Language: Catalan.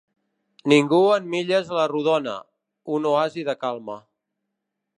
Ningú en milles a la rodona - un oasi de calma.